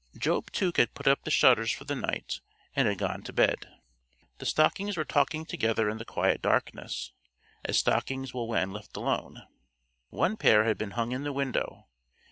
Job Tuke had put up the shutters for the night and had gone to bed. The stockings were talking together in the quiet darkness, as stockings will when left alone. One pair had been hung in the window.